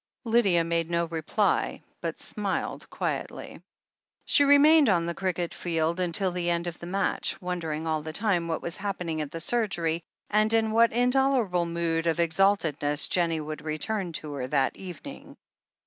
Lydia made no reply, but smiled quietly. She remained on the cricket field until the end of the match, wondering all the time what was happening at the surgery, and in what intolerable mood of exalted ness Jennie would return to her that evening.